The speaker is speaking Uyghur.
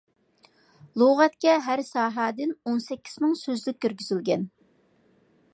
لۇغەتكە ھەر ساھەدىن ئون سەككىز مىڭ سۆزلۈك كىرگۈزۈلگەن.